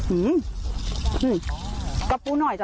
อืมอืมกระปูหน่อยจ้ะ